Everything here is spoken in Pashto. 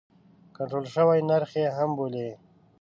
کنټرول شوی نرخ یې هم بولي.